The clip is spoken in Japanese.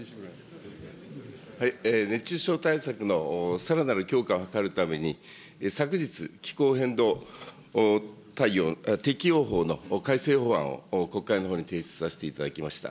熱中症対策のさらなる強化を図るために、昨日、気候変動適用法の改正法案を国会のほうに提出させていただきました。